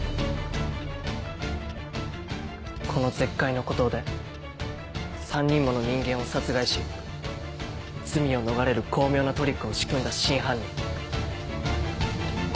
この絶海の孤島で３人もの人間を殺害し罪を逃れる巧妙なトリックを仕組んだ真犯人。